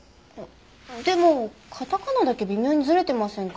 でもカタカナだけ微妙にずれてませんか？